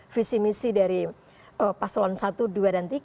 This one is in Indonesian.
visi misi dari paslon satu dua dan tiga